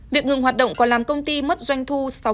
việc ngừng hoạt động có làm công ty mất bốn tám do sự cố facebook sập